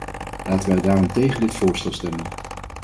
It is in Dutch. Laten wij daarom tegen dit voorstel stemmen.